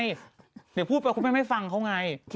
เดี๋ยวพูดเขาก็ไม่ฟังเขาไง